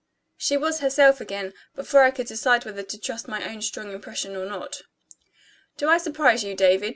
She was herself again, before I could decide whether to trust my own strong impression or not. "Do I surprise you, David?"